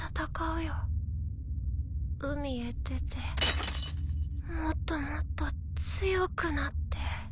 海へ出てもっともっと強くなって。